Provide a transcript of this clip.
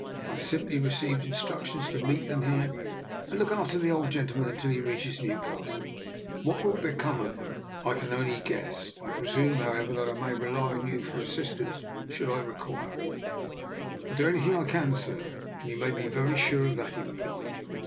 I have simply received instructions to meet thep here, and to look after the old gentleman unjtil he reaches Newcastle. What will become lof them then I can only guess. I presume, ho] ever, I may rely on you for assistance, shoi I require it? "" I'll do anything I can, sir, and you be very sure of that," he replied.